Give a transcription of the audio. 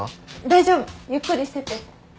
大丈夫ゆっくりしてて。